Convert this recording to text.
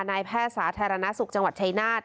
นายแพทย์สาธารณสุขจังหวัดชายนาฏ